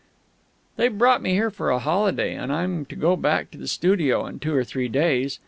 They've brought me here for a holiday, and I'm to go back to the studio in two or three days.